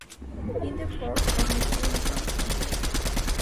In the Court of the Crimson King